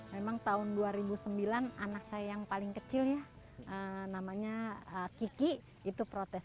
memang tahun dua ribu sembilan anak saya yang paling kecil ya namanya kiki itu protes